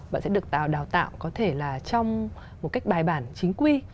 bạn sẽ được đào tạo có thể là trong một cách bài bản chính quy